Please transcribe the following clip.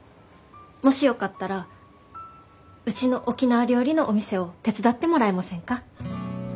もしよかったらうちの沖縄料理のお店を手伝ってもらえませんか？